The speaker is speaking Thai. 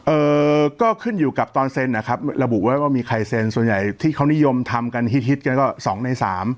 เอ่อก็ขึ้นอยู่กับตอนเซ็นนะครับระบุไว้ว่ามีใครเซ็นส่วนใหญ่ที่เขานิยมทำกันฮิตฮิตกันก็สองในสาม